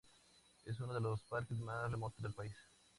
Es uno de los parques más remotos del país.